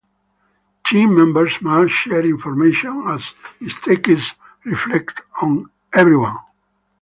Team members must share information as mistakes reflect on everyone.